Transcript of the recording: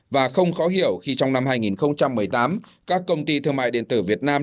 và không khó hiểu khi trong năm hai nghìn một mươi tám các công ty thương mại điện tử việt nam